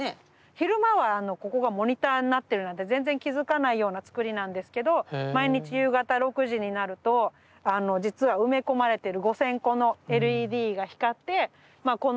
昼間はここがモニターになってるなんて全然気付かないようなつくりなんですけど毎日夕方６時になると実は埋め込まれてる５，０００個のＬＥＤが光ってまあ